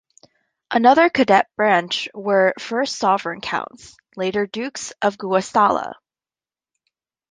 Another cadet branch were first sovereign counts, later dukes of Guastalla.